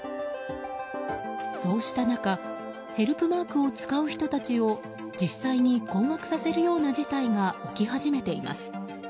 そうした中ヘルプマークを使う人たちを実際に困惑させるような事態が起き始めています。